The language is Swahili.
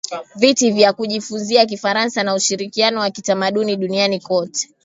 viti vya kujifunzia kifaransa na ushirikiano wa kitamaduni duniani kote